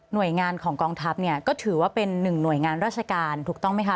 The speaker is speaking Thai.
โดยงานของกองทัพเนี่ยก็ถือว่าเป็นหนึ่งหน่วยงานราชการถูกต้องไหมคะ